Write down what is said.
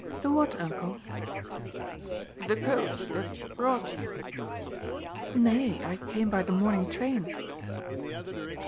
"The what, uncle?" "The coach that brought you." "Nay, I came by the mornin' train."